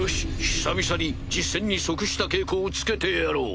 久々に実戦に即した稽古をつけてやろう。